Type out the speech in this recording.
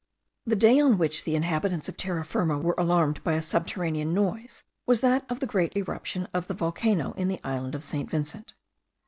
The day on which the inhabitants of Terra Firma were alarmed by a subterranean noise was that of the great eruption of the volcano in the island of St. Vincent.